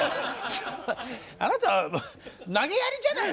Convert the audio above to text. あなた投げやりじゃないの？